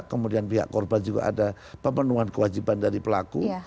kemudian pihak korban juga ada pemenuhan kewajiban dari pelaku